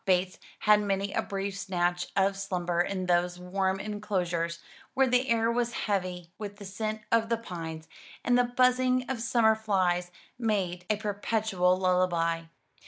Bates had many a brief snatch of slumber in those warm enclosures, where the air was heavy with the scent of the pines, and the buzzing of summer flies made a perpetual lullaby.